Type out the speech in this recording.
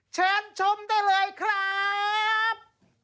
เชิญชมได้เลยครับ